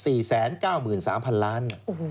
อู๋อีก๔๐๐ล้านเกือบ๕๐๐๐๐๐ล้าน